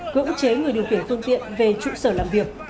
cưỡng chế người điều khiển phương tiện về trụ sở làm việc